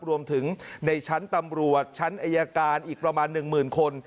รวมถึงในชั้นตำรวจชั้นอายการอีกประมาณ๑๐๐๐คน